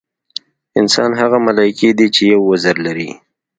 انسانان هغه ملایکې دي چې یو وزر لري.